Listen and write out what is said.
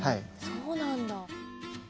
そうなんだ。